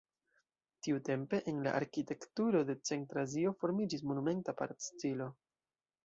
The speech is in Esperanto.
Tiutempe en la arkitekturo de Centra Azio formiĝis monumenta parad-stilo.